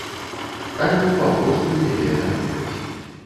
Альбо папросту ў яе наведаць.